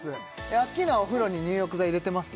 アッキーナはお風呂に入浴剤入れてます？